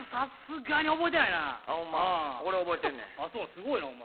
すごいなお前。